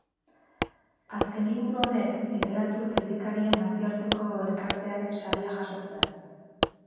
Azken liburu honek Literatur Kritikarien Nazioarteko Elkartearen saria jaso zuen.